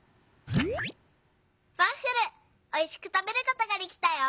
「ワッフルおいしくたべることができたよ！